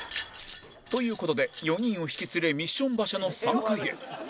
という事で４人を引き連れミッション場所の３階へ